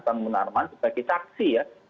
bang munarman sebagai saksi ya